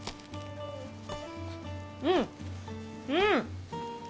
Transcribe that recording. うん、うん！